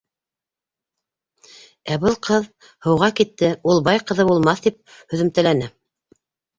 Ә был ҡыҙ һыуға китте; ул бай ҡыҙы булмаҫ, тип һөҙөмтәләне.